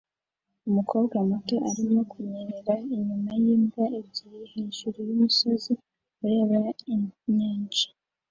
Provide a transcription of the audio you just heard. Umukobwa muto arimo kunyerera inyuma yimbwa ebyiri hejuru yumusozi ureba inyanja